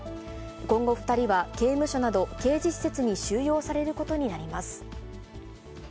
今後、２人は刑務所など刑事施設に収容されることになります。